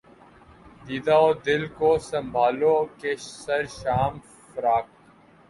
دیدہ و دل کو سنبھالو کہ سر شام فراق